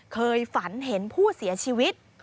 เคยฝันเห็นผู้เสียชีวิต